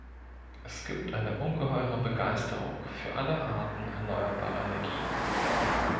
Es gibt eine ungeheure Begeisterung für alle Arten erneuerbarer Energien.